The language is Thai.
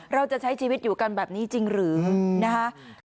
เราจะใช้ชีวิตอยู่กันแบบนี้จริงหรือนะคะ